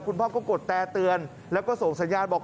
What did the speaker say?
พ่อก็กดแตรเตือนแล้วก็ส่งสัญญาณบอก